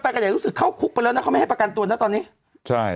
กันใหญ่รู้สึกเข้าคุกไปแล้วนะเขาไม่ให้ประกันตัวนะตอนนี้ใช่